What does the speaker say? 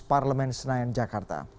terima kasih pak